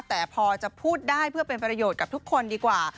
แต่พอจะพูดได้เพื่อเป็นประโยชน์กับทุกคนดีกว่า